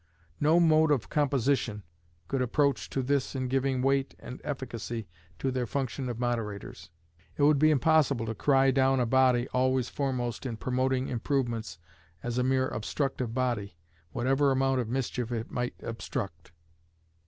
No mode of composition could approach to this in giving weight and efficacy to their function of moderators. It would be impossible to cry down a body always foremost in promoting improvements as a mere obstructive body, whatever amount of mischief it might obstruct.